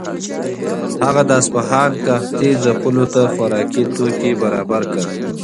هغه د اصفهان قحطۍ ځپلو ته خوراکي توکي برابر کړل.